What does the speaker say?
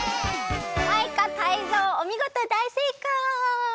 マイカタイゾウおみごとだいせいかい！